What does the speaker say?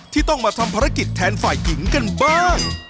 ที่ต้องมาทำภารกิจแทนฝ่ายหญิงกันบ้าง